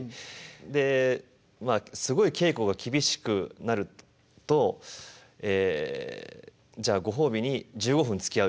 でまあすごい稽古が厳しくなるとえじゃあご褒美に１５分つきあうよとゲームを。